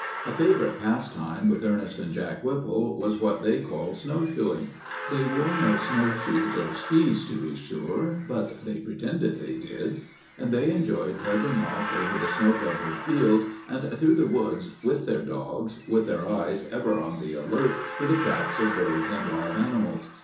A favorite pastime with Ernest and Jack Whipple was what they called snowshoeing. They wore no snowshoes or skiis, to be sure, but they pretended they did, and they enjoyed trudging off over the snow covered fields and through the woods with their dogs, with their eyes ever on the alert for the tracks of birds and wild animals.